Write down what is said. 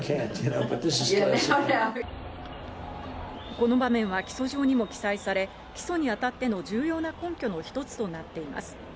この場面は起訴状にも記載され、起訴にあたっての重要な根拠の一つとなっています。